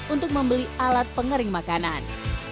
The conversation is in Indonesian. untuk membeli alat pengering makanan